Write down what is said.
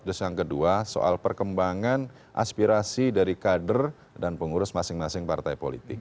terus yang kedua soal perkembangan aspirasi dari kader dan pengurus masing masing partai politik